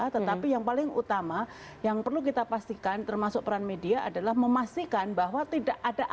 tetapi yang paling utama yang perlu kita pastikan termasuk peran media adalah memastikan bahwa tidak ada alasan